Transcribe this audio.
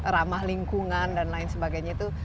ramah lingkungan dan lain sebagainya itu